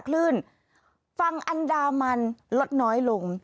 คลื่นฝั่งอันดามันลดน้อยลง